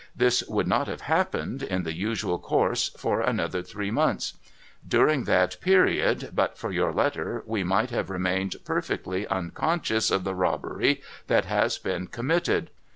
This would not have happened, in the usual course, for another three months. During that period, but for your letter, we might have remained perfectly unconscious of the robbery that has been committed.